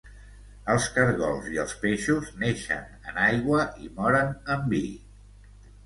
Els caragols i els peixos neixen en aigua i moren en vi.